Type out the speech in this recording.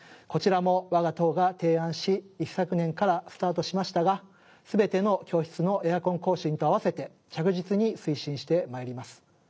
こちらも我が党が提案し一昨年からスタートしましたが全ての教室のエアコン更新と合わせて着実に推進してまいります。